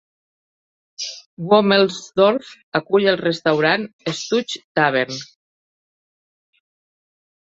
Womelsdorf acull el restaurant Stouch Tavern.